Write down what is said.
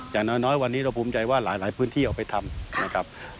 อย่างน้อยวันนี้เราภูมิใจว่าหลายพื้นที่เอาไปทำนะครับ